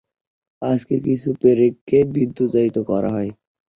আজকে কিছু পেরেককে বিদ্যুতায়িত করা হয়।